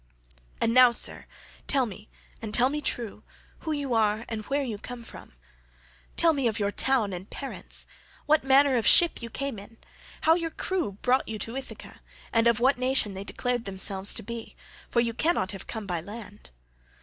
And now, sir, tell me and tell me true, who you are and where you come from. Tell me of your town and parents, what manner of ship you came in, how your crew brought you to Ithaca, and of what nation they declared themselves to be—for you cannot have come by land.